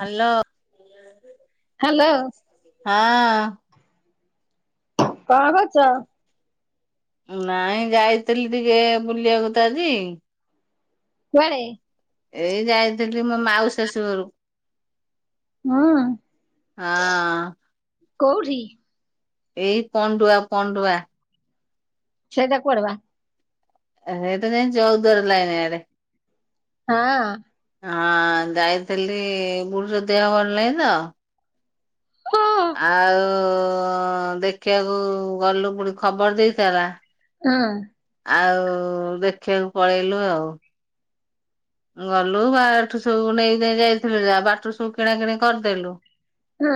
Hello, hello ହଁ। କଣ କରୁଚ? ନାଇଁ ଯାଇଥିଲି ଟିକେ ବୁଲିବାକୁ ତ ଆଜି। କୁଆଡେ ଏଇ ଯାଇଥିଲି ମୋ ମାଉସୀ ଶାଶୁ ଘରୁ ହୁଁ ହଁ କଉଠି? ଏଇ ପଣ୍ଡୁଆ, ପଣ୍ଡୁଆ। ସେଇଦା କୁଆଡେ ବା? ହେଇଟା ଯାଇକି ଚଉଦୁଆର ଲାଇନ୍ ଆଡେ। ହଁ ଅଁ। ହଁ, ଯାଇଥିଲି ବୁଢୀର ଦେହ ଭଲ ନାହିଁ ତ ହଁ ଆଉ ଦେଖିବାକୁ ଗଲୁ ବୁଢ଼ୀ ଖବର ଦେଇଥେଲା। ହୁଁ। ଆଉ ଦେଖିବାକୁ ପଳେଇଲୁ ଆଉ। ଗଲୁ ବାଠୁ ସବୁ ନେଇ ନେଇ ଯାଇଥିଲୁ ଯା, ବାଟରୁ ସବୁ କିଣା କିିଣି କରିଦେଲୁ ହୁଁ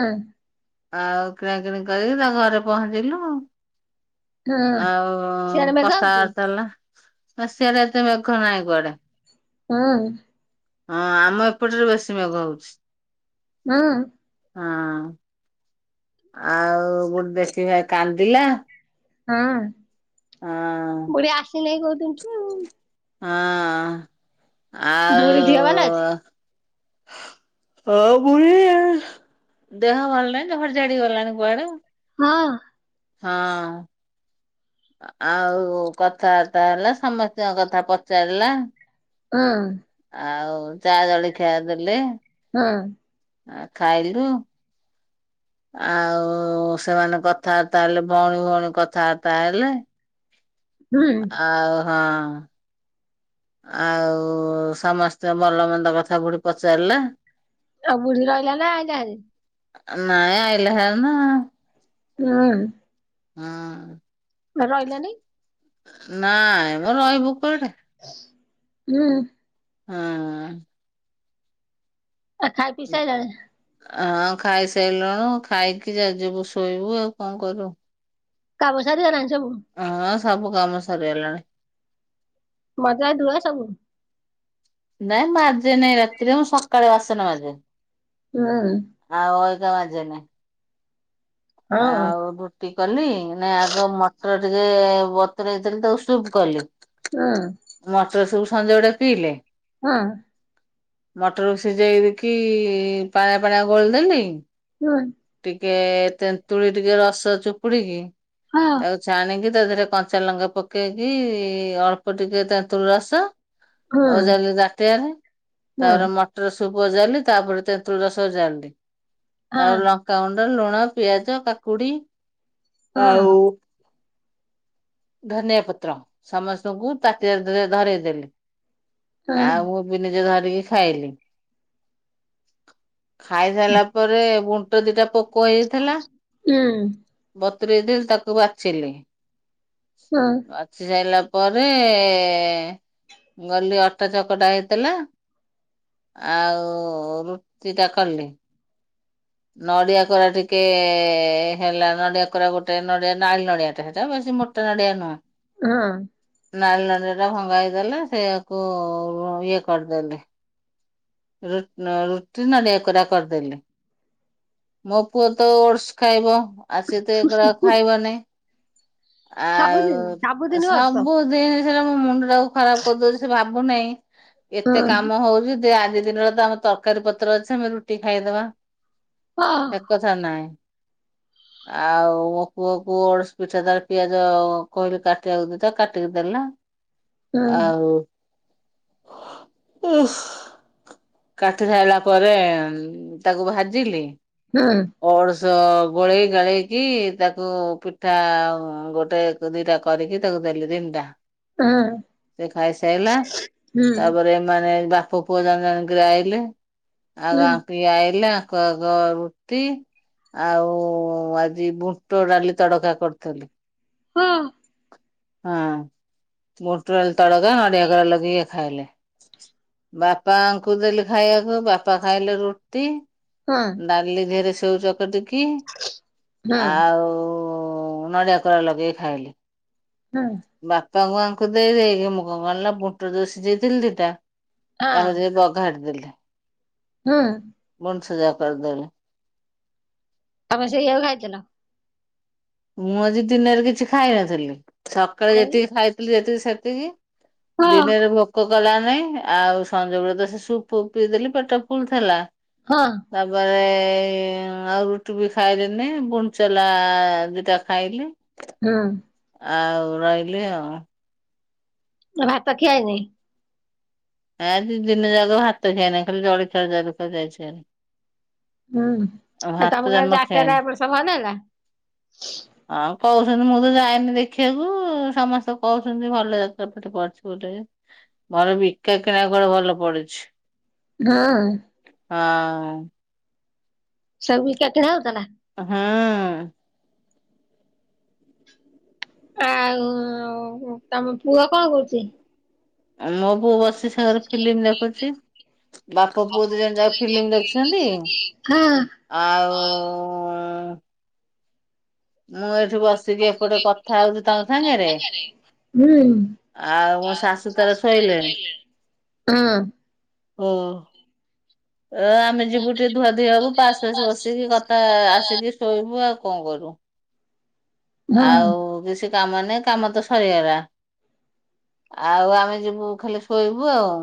ଆଉ କିଣାକିଣି କରିକି, ତା ଘରେ ପହଞ୍ଚିଲୁ ହଁ ଆଉ ସିଆଡେ ମେଘ ହଉଛି କଥାବାର୍ତ୍ତା ହେଲା, ନା ସିଆଡେ ଏତେ ମେଘ ନାଇଁ କୁଆଡେ? ହୁଁ। ହଁ ଆମ ଏପଟରେ ବେଶୀ ମେଘ ହଉଛି। ନା ହଁ ଆଉ ଗୋଟେ ଦେଖିଆ କାନ୍ଦିଲା। ହଁ। ହଁ ଫୁଣି ଆସି ନେଇ କୋଉ ଦିନ ଠୁ। ହଁ ବୁଢୀ ଝିଅ ଭଲ ଅଛି? ଆଉ ଅ ବୁଢି ଦେହ ଭଲ ନାହିଁ ଝଡି ଝାଡି ଗଲାଣି କୁଆଡେ। ହଁ। ହଁ। ଆଉ କଥାବାର୍ତ୍ତା ହେଲା ସମସ୍ତଙ୍କ କଥା ପଚାରିଲା। ହୁଁ। ଆଉ ଚା ଜଳଖିଆ ଦେଲେ। ହୁଁ। ଆ ଖାଇଲୁ। ଆଉ ସେମାନେ କଥାବାର୍ତ୍ତା ହେଲେ ଭଉଣୀ ଭଉଣୀ କଥାବାର୍ତା ହେଲେ। ହୁଁ ଆଉ ହଁ। ଆଉ ସମସ୍ତଙ୍କ ଭଲ ମନ୍ଦ କଥା ବୁଢି ପଚାରିଲା। ଆଉ ବୁଢୀ ରହିଲା ନା ଗାଁ ରେ। ନାଇଁ ଆଇଲା ହାରି ନା। ହୁଁ। ହୁଁ। ରହିଲାନି। ନାଇଁ ମ ରହିବ କୁଆଡେ। ହୁଁ। ହୁଁ। ଆ ଖାଇ ପିଇ ସାଇଲଣି? ଆ ଖାଇସାଇଲୁଣୁ ଖାଇକି ଯା ଯିବୁ ଶୋଇବୁ ଆଉ କଣ କରିବୁ। କାମ ସରିଗଲାଣି ସବୁ? ହଁ ସବୁ କାମ ସରିଗଲାଣି। ମଜା ଧୁଆ ସବୁ? ନାଇଁ ମାଜେ ନାଇଁ ରାତିରେ ମୁଁ ସକ୍ ସକାଳେ ବାସନ ମାଜେ ହୁଁ ଆ ଅବିଗା ମାଜେ ନା। ହଁ ହଁ ଆଉ ବୁ ଟି କଲି ନା ଆଗ ମଟର ଟିକେ ବତୁରେଇ ଥିଲି ତାକୁ ସୁପ କଲି। ହୁଁ। ମଟର ସୁପ୍ ସଞ୍ଜ ବେଳେ ପିଇଲେ। ହୁଁ। ମଟରକୁ ସିଜେଇ ଦେଇକି ପାଣିଆ ପାଣିଆ ଗୋଳି ଦେଲି। ହୁଁ। ଟିକେ ତେନ୍ତୁଳି ଟିକେ ରସ ଚୁପୁଡିକି ହଁ। ତାକୁ ଛାଣିକି ତା ଦେହରେ କଞ୍ଚା ଲଙ୍କା ପକେଇକି ଅଳ୍ପ ଟିକେ ତେନ୍ତୁଳ ରସ ଓଜାରିଲି ତାଟିଆରେ ତାପରେ ମ ମଟର ସୁପ ଓଜାଡିଲି ତାପରେ ତେନ୍ତୁଳି ରସ ଓଜାଡିଲି ତାପରେ ଲ ଙ୍କା ଗୁଣ୍ଡ, ଲୁଣ, ପିଆଜ, କାକୁଡି ଆଉ ଧନିଆ ପତ୍ର ସମସ୍ତଙ୍କୁ ପାଟିରେ ଟିକିଏ ଧରଇ ଦେଲି। ଆଉ ମୁଁ ବି ନିଜେ ଧରିକି ଖାଇଲି। ଖାଇ ସାରିଲା ପରେ ବୁଣ୍ଟ ଦିଇଟା ପୋକ ହେଇଯାଇଥିଲା। ହୁଁ। ବତେରେ ଦେଲ୍ ତାକୁ ବାଛିଲି ସାରିଲା ପରେ ଗଲି ଅଟା ଚକଟା ହେଇଥିଲା। ଆଉ ରୁଟି ଟା କଲି। ନଡିଆ କୋରା ଟିକେ ହେଲା ନଡିଆ କୋରା ଗୋଟେ ନଡିଆ ନାଲ ନଡିଆ ଟା ହେଟ ବେଶି ମୋଟା ନଡିଆ ନୁହଁ। ଉହଁ। ନାଲ ନଡ଼ିଆ ଟା ଭଙ୍ଗା ହେଇଥିଲା ସେଆକୁ ଇଏ କରିଦେଲି। ରୁଟ୍ ରୁଟି ନଳିଆ କୋରା କରିଦେଲି। ମୋ ପୁଅ ତ ଓଡସ୍ ଖାଇବ। ଆଉ ସେ ତ ଏଗୁରା ଖାଇବ ନାହିଁ ଆଉ ସବୁ। ନାଇଁ ସେଟା ମୁଣ୍ଡଟାକୁ ଖରାପ କରିଦଉଛି ସେ ଭାବୁନାହିଁ। ଏତେ କାମ ହେଉଛି ଯେ ଆଜି ଦିନରେ ତ ଆମ ତରକାରୀ ପତ୍ର ଅଛି ଆମେ ରୁଟି ଖାଇଦବା। ହଁ। ସେ କଥା ନାଇଁ। ଆଉ ମୋ ପୁଆକୁ ଅଳୁଶ ପିଠା ତାର ପିଆଜ କହିଲି କାଟିବାକୁ ତଅ କାଟିକି ଦେଲା। ଆଉ କାଟି ସାଇଲା ପରେ ତାକୁ ଭାଜିଲି। ହୁଁ। ଅଡସୁଆ ଗୋଳେଇ ଗାଳେଇକି ତାକୁ ପିଠା ଗୋଟେ। ତ ଦିଟା, କରିକି ତାକୁ ଦେଲି ତିନଟା। ସେ ଖାଇସାଇଲା ତାପରେ ମାନେ ବାପ ପୁଅ [unintelligible] ଗ୍ରାଇଲେ ଆଉ ଆଙ୍କି ଆଇଲେ, ଆଙ୍କ ଙ୍କ ରୁଟି। ଆଉ ଆଜି ବୁଣ୍ଟ ଡାଲି ତଡକା କରିଥିଲି। ହୁଁ। ଆଁ ବୁଟ ଡାଲି ତଳକା ନଡିଆ କୋରା ଲଗେଇକି ଖାଇଲେ। ବାପାଙ୍କୁ ଦେଲି ଖାଇବାକୁ ବାପା ଖାଇଲେ ରୁଟି। ଡାଲି ଧିରେ ସେଉଚ କରିଦେଇକି ଆଉ ନଡିଆ କୋରା ଲଗେଇକି ଖାଇଲେ। ହୁଁ। ବାପାଙ୍କୁ ଆଙ୍କୁ ଦେଇ ଦେଇକି ମୁଁ କଣ କରିଲିନା ବୁଟ୍ ଯୋଉ‍ ଶିଝେଇ ଦେଇଥିଲି ଦିଟା ତାକୁ ଯେ ବଘାରି ଦେଲି ହୁଁ। ବଣ୍ଡ୍ ସିଜା କରିଦେଲି। ତମେ ସେଇଆକୁ ଖାଇଥିଲ। ମୁଁ ଆଜି ଦିନରେ କିଛି ଖାଇନଥିଲି ସକାଳେ ନାଇଁ? ଯେତିକି ଖାଇଥିଲି। ଯେତିକି ସେତିକି ହଁ, ଦିନରେ ଭୋକକ ଗଲା ନାଇଁ ଆଉ ସଞ୍ଜ ବେଳକୁ ତ ସେ ସୁପ୍ ପିଇ ଦେଲି ପେଟ ଫୁରି ଥିଲା। ହଁ। ତାପରେ ଆଉ ରୁଟି ବି ଖାଇଲିନି ବୁନଚଲା ତା ଖାଇଲି। ହୁଁ। ଆଉ ରହିଲି ଆଉ ଭାତ ଖିଆହେଇନି? ଆ ଦି ଦିନ ଯାକ ଭାତ ଖିଆ ହେଇନି ଖାଲି ଜଳି [unintelligible] ହୁଁ, ଆ ତମଗଁଆରେ ଜମା ଖିଆଇନି। ଯାତରା ଭଲ ହେଲା? ହଁ କହୁଛନ୍ତି ମୁଁ ତ ଯାଇନି ଦେଖିବାକୁ ସମସ୍ତେ କହୁଛନ୍ତି ଭଲ ଯାତ୍ରା ଏ ପଢଛି ଗୋଟେ ମୋର ବିକା କିଣା କଡେ ଭଲ ପଡୁଛି। ହଁ। ହଁ। ସବୁ ବିକା କିଣା ହଉଥିଲା? ହଁ। ଆଉ ତମ ପୁଅ କଣ କରୁଛି? ମୋ ପୁଅ ବସି ସେ ଘରେ ଫିଲ୍ମ ଦେଖୁଛି। ବାପ ପୁଅ ଦୁ ଜଣ ଯାକ ଫିଲ୍ମ ଦେଖିଛନ୍ତି। ହଁ, ଆଉ ମୁଁ ଏଇଠି ବସିକି ଏପଟେ କଥା ହଉଛି ତମ ସାଙ୍ଗରେ ହୁଁ, ଆଉ ମୋ ଶାଶୁ ତାର ଶୋଇଲେଣି। ହଁ। ହଁ। ଅ ଆମେ ଯିବୁ ଟିକେ ଧୁଆଧୁଇ ହବୁ, ପାସ ଫାସ ବସିକି କଥା ଆସିକି ଶୋଇବୁ ଆଉ କଣ କରୁ ହଁ ଆଉ କିଛି କାମ ନାହିଁ କାମ ତ ସରିଗଲା। ଆଉ ଆମେ ଯିବୁ ଖାଲି ଶୋଇବୁ ଆଉ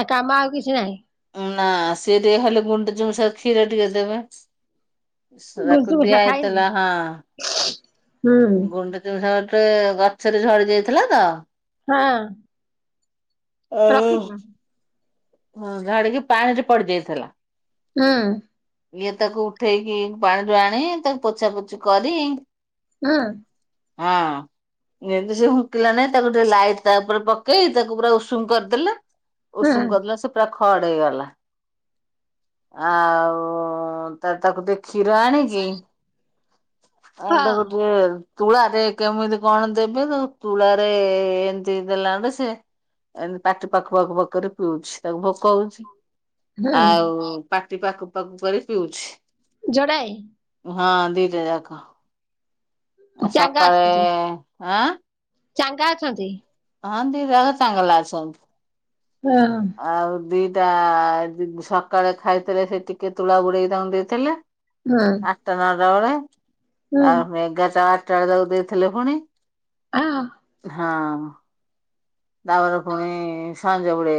ଆଉ କାମ ଆଉ କିଛି ନାହିଁ। ନା ସିଏ ଟିକେ ଖାଲି ଗୁଣ୍ଡୁଚି ମୂଷା କୁ କ୍ଷୀର ଟିକେ ଦେବା ଗୁଣ୍ଡୁଚି ମୂଷା [unintelligible] ଖାଇନି ହଁ [unintelligible] ହୁଁ ଗୁଣ୍ଡୁଚି ମୂଷା ଗଟେ ଗଛରେ ଝଡି ଯାଇଥିଲା ତ ହଁ। ଓହୋ। ରଖିଛି ବା, ହଁ ଧାଡିକି ପାଣିରେ ପଡି ଯାଇଥିଲା। ହୁଁ। ଇଏ ତାକୁ ଉଠେଇକି ପାଣିରୁ ଆଣି ତାକୁ ପୋଛା ପୋଛି କରି ହୁଁ। ହଁ। ଯେମିତି ସେ ହୁକିଲା ନାଇଁ ତାକୁ ଟିକେ ଲାଇଟ୍ ତା ଉପରେ ପକେଇ ତାକୁ ପୁରା ଉଷୁମ କରିଦେଲେ, ହୁଁ ଉଷୁମ କରିଦେଲା ପୁରା ଖଡ ହେଇଗଲା। ଆଉ ତା ତାକୁ ଦେଖ କ୍ଷୀର ଆଣିକି ଏ ହଁ ତ ଗୋଟେ ତୁଳାରେ କେମିତି କଣ ଦେବେ ତ ତୁଳାରେ ଏମିତି ଦେଲାରୁ ସେ ଏମତି ପାଟି ପାକୁ ପାକୁ କରି ପିଉଛି। ତାକୁ ଭୋକ ହଉଛି ହୁଁ ଆଉ ପାଟି ପାକୁ, ପାକୁ କରି ପିଉଛି। ଜୋଡାଏ। ହଁ ଦିଇଟ ଯାକ, ଏ ଚାଙ୍ଗା ସକାଳେ ଅଛନ୍ତି ଆଁ ଚାଙ୍ଗା ଅଛନ୍ତି। ହଁ [unintelligible] ଏ ହଁ ଆଉ ଦିଟା ସକାଳେ ଖାଇଥିଲେ ସେ ଟିକେ ତୁଳା ବୁଡେଇକି ତାଙ୍କୁ ଦେଇଥିଲେ। ହଁ ଆଠଟା ନଅଟା ବେଳେ ହୁଁ ତା ଏଗାରଟା ବାରଟାବେଳେ ତାକୁ ଦେଇଥିଲେ ପୁଣି। [unintelligible] ହଁ। ତାପରେ ପୁଣି ସଞ୍ଜବୋଳେ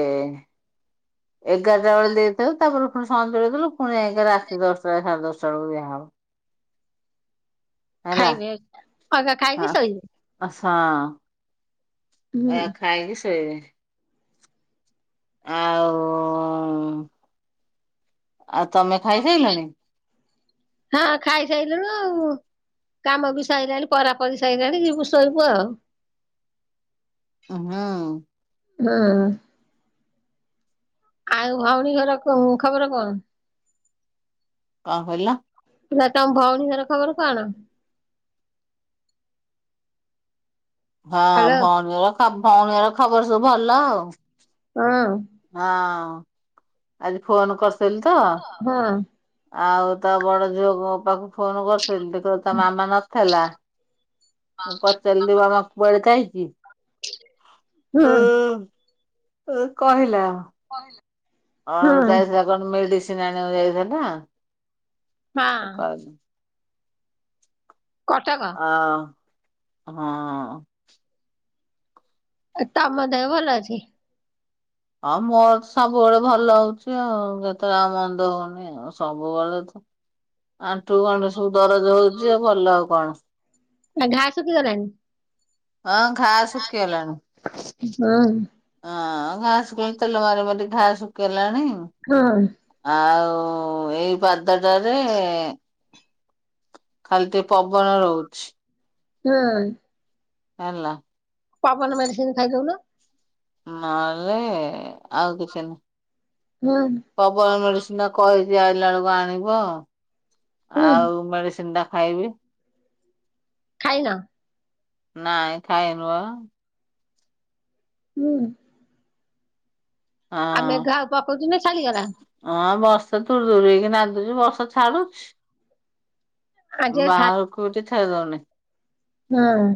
ଏଗାରଟା ବେଳେ ଦେଇ ତାପରେ ପୁଣି ସଞ୍ଜବେଳେ ଦେଲୁ ପୁଣି ଯାଇକି ରାତି ଦଶଟା ସାଢେ ଦଶା ବେଳକୁ ଦିଆହବ। [inaudible] ଖାଇବେ ମକା ଖାଇକି ସୋଇିବେ। ଆସାଁ। ହୁଁ ଏଇଆ ଖାଇକି ଶୋଇବେ। ଆଉ ଉ ଉ ଉ ଆଉ ତମେ ଖାଇସାଇଲଣି। ହଁ ଖାଇସାଇଲୁଣୁ ଆଉ କାମବି ସଇଲାଣି ପରାପରି ସାଇଲାଣି ଯିବୁ ଶୋଇବୁ ଆଉ [unintelligible] ହଁ। ଆଉ ଭଉଣୀ ଘର ଖୋ ଖବର କଣ? କଣ କହିଲ? ଇଲା ତମ ଭଉଣୀ ଘର ଖବର କଣ? ହଁ ହ୍ୟାଲୋ ଭଉଣୀର ଖବ ଭଉଣୀର ଖବର ସବୁ ଭଲ ଆଉ ଅଁ। ହଁ ଆଜି ଫୋନ କରିସାଇଲିତ। ହଁ। ଆଉ ତା ବଡ ଝିଅକୁପାଖକୁ ଫୋନ କରିୁଥିଲି ଦେଖ ତା ହଁ ମାମା ନଥିଲା। ମୁଁ ପଚାରିଲି ମାମା କୁଆଡେ ଯାଇଚି। ହଁ। ଅଁ କହିଲା ହୁଁ ଆଉ ଯାଇଥିଲା। କଣ ମେଡିସିନ ଆଣିବାକୁ ଯାଇଥିଲା ହଁ [unintelligible] କଟକ। ହଁ ହଁ ତମ ଦେହ ଭଲଅଛି। ହଁ ମୋର ସବୁବେଳେ ଭଲ ହଉଛି ଆଉ ଯେତେଯାହା ମନ୍ଦ ହଉନି ଆଉ ସବୁବେଳେତ ଆଣ୍ଠୁ ଗଣ୍ଠି ସବୁ ଦରଜ ହଉଚି ଆଉ ଭଲ ଆଉ କଣ? ଆ ଘା ଶୁଖିଗଲାଣି। ହଁ ଘା ଶୁଖିଗଲାଣି। ହୁଁ ହଁ ଘା ଶୁଖି ତେଲ ମାରି ମାରି ଘା ଶୁକିଗଲାଣି। [unintelligible] ଆଉ ଏଇ ପାଦଟାରେ ଖାଲି ଟିକିଏ ପବନ ରହୁଛି। ନାଇଁ ହାଲୋ। ପବନ ମେଡ଼ିସିନ ଖାଇଦଉନ। ନହେଲେ ଆଉ କିଛି ନୁହେଁ। [unintelligible] ପବନ ମେଡିସିନଟା କହିଛି ଆଇଲାବେଳକୁ ଆଣିବ। ହୁଁ ଆଉ ମେଡିସିନ୍ ଟା ଖାଇବି। ଖାଇନ? ନାାଇଁ ଖାଇନୁ ଆଉ। ହୁଁ ହୁଁ। ଆଉ ହଁ। ମେଘ ଆଉ ପକୋଉଚି ନା ଛାଡ଼ିଗଲା? ହଁ, ବର୍ଷା ତ ଦୂରେଇକି ନାଦୁଛି ବର୍ଷା ଛାଡୁଛି। ଆଜି ଆଉ ବାହାରୁକୁ କୋଉଠି ଛାଡି ଦୋଉନି। ହୟେ।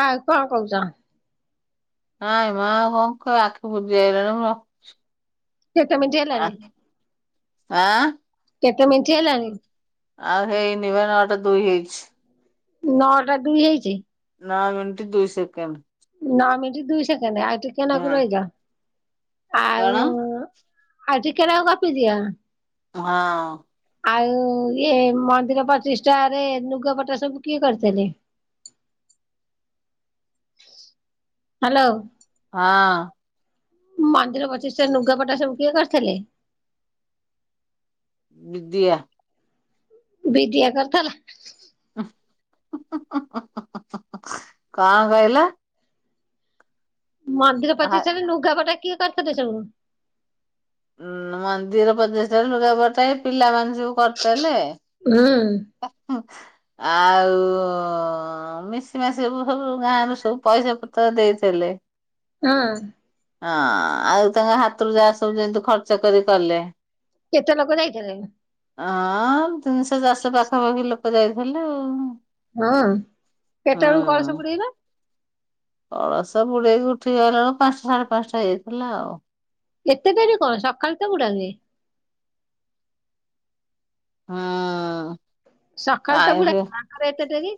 ହୟେ କଁ କୋଉଚ? ନାଇଁ ମ ଆଉ କଁ କଇ ଆଖି ବୁଜିି ଆଇଲାଣି ମୁଁ ରଖୁଛି। କେତେ ମିନ୍ଟି ହେଲାଣି? ଆଁ। କେତେ ମିନ୍ଟି ହେଲାଣି? ଆଉ ହେଇନି ପା ନଅଟା ଦୁଇ ହେଇଛି। ନଅଟା ଦୁଇ ହେଇଚି? ନଅ ମିନ୍ଟି ଦୁଇ ସେକେଣ୍ଡ୍। ନଅ ମିନ୍ଟ ଦୁଇ ସେକେଣ୍ଡ ଆଉ ଟିକେ ନାଗୁ ହଁ ରଇଯା କଣ ଆଉ ଆଁ ଆଉ ଟିକେ ନାଗୁ ଗପି ଦିଅ? ହଁ। ଆଉ ଇଏ ମନ୍ଦିର ପ୍ରଚିଷ୍ଠାରେ ନୁଗାପଟା ସବୁ କିଏ କରିଥିଲେ? [inaudible] ହାଲୋ। ହଁ। ମନ୍ଦିର ପ୍ରଚିଷ୍ଟାରେ ନୁଗାପଟା ସବୁ କିଏ କରିଥିଲେ? ବିଦିଆ। ବିଦିଆ କରିଥେଲା? କଁ କଇଲ? ମନ୍ଦିର ହା ପଚିଷ୍ଟାରେ ନୁଗାପଟା କିଏ କରିଥିଲେ ସବୁ? ଉଁ ମନ୍ଦିର ପଚିଷ୍ଟାରେ ନୁଗା ପଟା ଏ ପିଲାମାନେ ସବୁ କରିଥେଲେ। ଉଁ। ଆ ହୁଁ ଆଉ ହଁ ମିଶି ମାସି କି ସବୁ ସବୁ ଗାଁ ରୁ ସବୁ ପଇସା ପତର ଦେଇଥିଲେ। ହୁଁ। ହଁ ଆଉ ତାଙ୍କ ହାତରୁ ଯାହା ସବୁ ଯେମିତି ଖର୍ଚ୍ଚ କରି ପାରିଲେ। କେତେ ଲୋକ ଯାଇଥେଲେ? ହଁ ତିନିଶ ଚାର୍ସ ପାଖାପାଖି ଲୋକ ଯାଇଥେଲେ ଆଉ। ହଁ, କେତେବେଳକୁ କଳସ ବୁଡେଇଲ? ପଳସ ବୁଡେଇକି ଉଠିକିଆଇଲା ବେଳକୁ ପାନ୍ସ ସାଢେ ପାନ୍ଟା ହେଇଯାଇଥିଲା ଆଉ। ଏତେ ଡେରି କଣ ସକାଳ ତ ବୁଡ଼ାନ୍ତି? ହଁ ସଖାଳୁ ତ ବୁଡ଼ାନ୍ତି ଆଙ୍କର ଏତେ ଡେରି?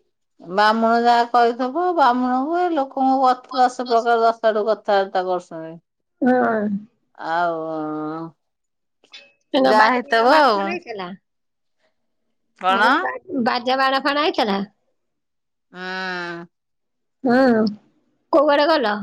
ବାହ୍ମୁଣ ଯାହା କଇଥବ ବାହ୍ମୁଣକୁ ଏ ଲୋକଙ୍କ କଥା ଦଶ ପ୍ରକାର ଦଶଆଡୁ କଥା। ଚଳିତ ବର୍ଷରେ। ହଁ। ଆଉ ଅଁ ଅଁ ଯାହା ବାଜା ହେତକ ବାଣ ଆଉ। ଫାଣ ହେଇଥିଲା? ମୁଁ କଣ? କହିଲି ବାଜ୍ ବାଜା ବାଣ ଫାଣ ଆଇଥେଲା? ହଁ ହଁ। କୋଉ ଆଡ଼େ ଗଲ?